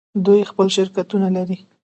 دوی خپل شرکتونه لري.